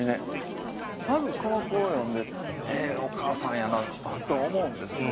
まずこの句を読んでええお母さんやなと思うんですよ。